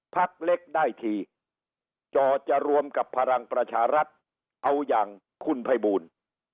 พักเล็กได้ทีจอจะรวมกับพลังประชารัฐเอาอย่างคุณภัยบูล